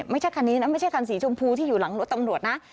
ไม่ใช่คันนี้นะไม่ใช่คันสีชมพูที่อยู่หลังรถตำรวจนะ